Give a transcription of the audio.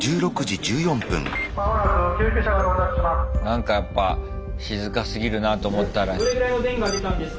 なんかやっぱ静かすぎるなと思ったら。